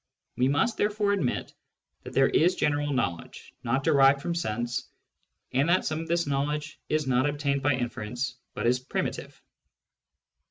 We must therefore admit that there is general ■ knowledge not derived from sense, and that some of this knowledge is not obtained by inference but is primitive.